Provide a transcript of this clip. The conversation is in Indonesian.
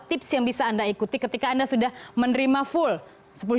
tips yang bisa anda ikuti ketika anda sudah menerima full